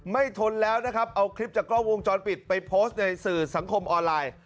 ทนแล้วนะครับเอาคลิปจากกล้องวงจรปิดไปโพสต์ในสื่อสังคมออนไลน์